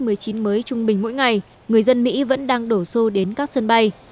mới trung bình mỗi ngày người dân mỹ vẫn đang đổ xô đến các sân bay